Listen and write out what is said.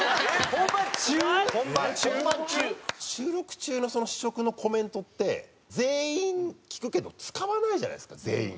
収録中のその試食のコメントって全員聞くけど使わないじゃないですか全員。